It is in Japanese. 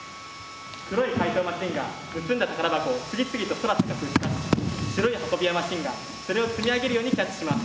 黒い怪盗マシンが盗んだ宝箱を次々と空高くうち出し白い運び屋マシンがそれを積み上げるようにキャッチします。